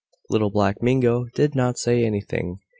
Little Black Mingo did not say anything.